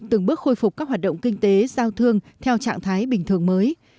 từng bước khôi phục các hoạt động kinh tế giao thương theo trạng thái bình thường mới